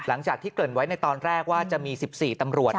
หลังจากที่เกริ่นไว้ในตอนแรกว่าจะมี๑๔ตำรวจ